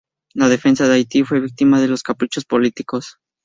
La defensa de Haití fue víctima de los caprichos políticos.